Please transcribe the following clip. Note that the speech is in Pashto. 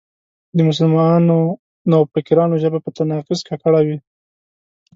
د مسلمانو نوفکرانو ژبه په تناقض ککړه وي.